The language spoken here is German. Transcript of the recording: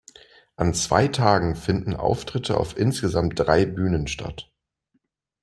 An zwei Tagen finden Auftritte auf insgesamt drei Bühnen statt.